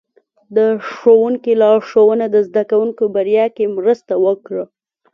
د ښوونکي لارښوونه د زده کوونکو بریا کې مرسته وکړه.